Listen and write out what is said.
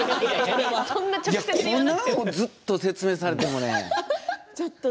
笑い声粉をずっと説明されてもね。